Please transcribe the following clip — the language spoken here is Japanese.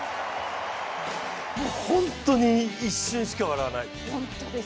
本当に一瞬しか笑わない。